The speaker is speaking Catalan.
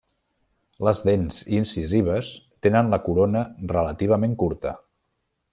Les dents incisives tenen la corona relativament curta.